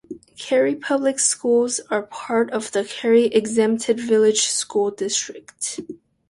Carey Public Schools are part of the Carey Exempted Village School District.